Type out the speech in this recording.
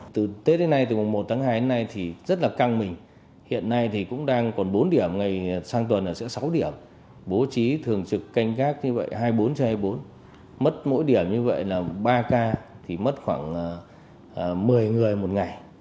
từ tết đến nay từ mùng một tháng hai đến nay thì rất là căng mình hiện nay thì cũng đang còn bốn điểm sang tuần sẽ sáu điểm bố trí thường trực canh gác như vậy hai mươi bốn trên hai mươi bốn mất mỗi điểm như vậy là ba ca thì mất khoảng một mươi người một ngày